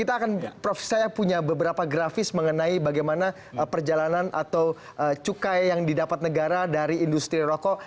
saya punya beberapa grafis mengenai bagaimana perjalanan atau cukai yang didapat negara dari industri rokok